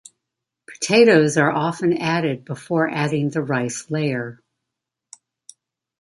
Potatoes are often added before adding the rice layer.